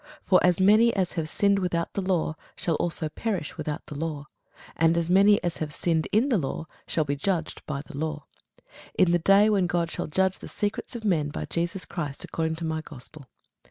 For as many as have sinned without law shall also perish without law: and as many as have sinned in the law shall be judged by the law; in the day when God shall judge the secrets of men by Jesus Christ according to my gospel.